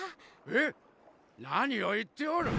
えっ何を言っておる！